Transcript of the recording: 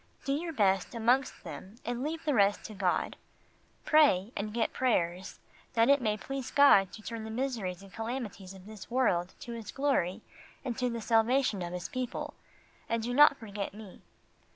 Do your best amongst them, and leave the rest to God. Pray, and get prayers, that it may please God to turn the miseries and calamities of this world to His glory and to the salvation of His people, and do not forget me.